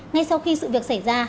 ngay sau khi sự việc xảy ra